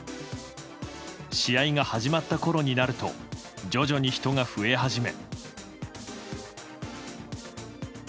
試合が始まったころになると徐々に人が増え始め。